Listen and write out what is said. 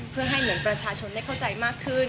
เพื่อให้เหมือนประชาชนได้เข้าใจมากขึ้น